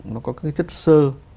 nó có cái chất sơ